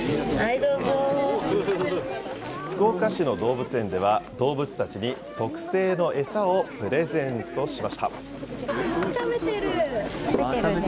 福岡市の動物園では、動物たちに特製の餌をプレゼントしました。